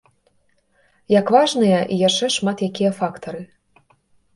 Як важныя і яшчэ шмат якія фактары.